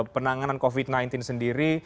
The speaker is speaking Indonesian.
penanganan covid sembilan belas sendiri